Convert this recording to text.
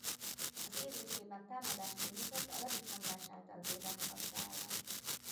Az év őszében támadást indított a Radics András által védett Kassa ellen.